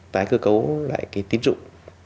tái cơ cấu lại cái tín dụng